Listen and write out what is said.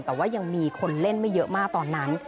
แต่ว่ายังมีคนเล่นไม่เยอะมากตอนนั้น